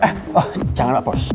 eh jangan pak bos